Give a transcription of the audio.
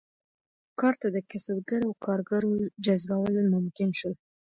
کار ته د کسبګرو او کارګرو جذبول ممکن شول.